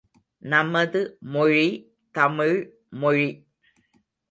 நமது மொழி தமிழ்மொழி.